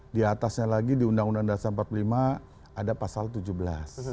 diatasnya lagi di undang undang dasar empat puluh lima ada pasal tujuh belas